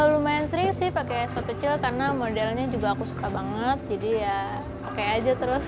lumayan sering sih pakai soto kecil karena modelnya juga aku suka banget jadi ya pakai aja terus